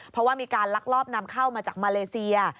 เพราะว่ามีการลักลอบนำเข้ามาจากมาเลเซีย